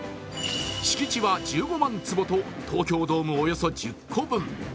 敷地は１５万坪と東京ドームおよそ１０個分。